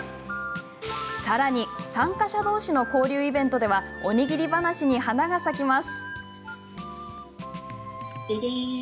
さらに参加者どうしの交流イベントではおにぎり話に花が咲きます。